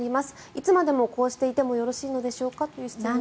いつまでもこうしていてもよろしいのでしょうかという質問です。